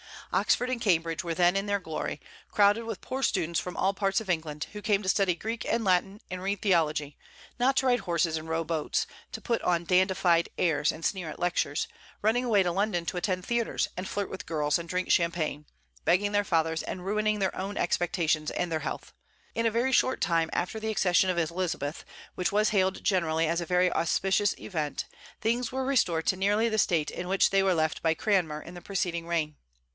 Oxford and Cambridge were then in their glory, crowded with poor students from all parts of England, who came to study Greek and Latin and read theology, not to ride horses and row boats, to put on dandified airs and sneer at lectures, running away to London to attend theatres and flirt with girls and drink champagne, beggaring their fathers and ruining their own expectations and their health. In a very short time after the accession of Elizabeth, which was hailed generally as a very auspicious event, things were restored to nearly the state in which they were left by Cranmer in the preceding reign.